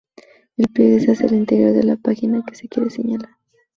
El pliegue se hace hacia el interior de la página que se quiere señalar.